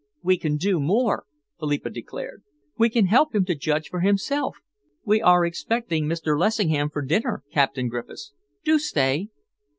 "We can do more," Philippa declared. "We can help him to judge for himself. We are expecting Mr. Lessingham for dinner, Captain Griffiths. Do stay."